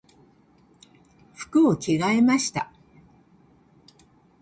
服を着替えました。